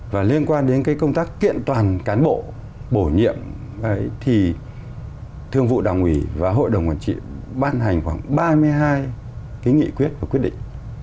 và liên quan đến cái công tác kiện toàn cán bộ bổ nhiệm thì thường vụ đảng ủy và hội đồng quản trị ban hành khoảng ba mươi hai cái nghị quyết và quyết định